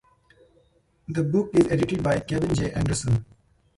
The book is edited by Kevin J. Anderson.